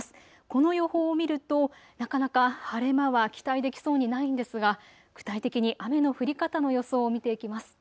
この予報を見ると、なかなか晴れ間は期待できそうにないのですが、具体的に雨の降り方の予想を見ていきます。